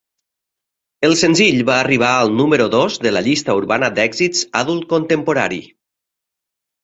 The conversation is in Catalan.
El senzill va arribar al número dos de la llista urbana d'èxits Adult Contemporary.